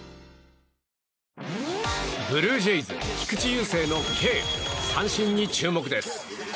ブルージェイズ、菊池雄星の「Ｋ」三振に注目です。